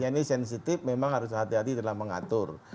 ini sensitif memang harus hati hati dalam mengatur